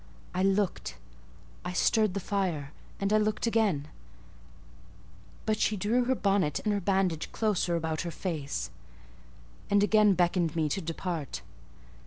I looked; I stirred the fire, and I looked again: but she drew her bonnet and her bandage closer about her face, and again beckoned me to depart.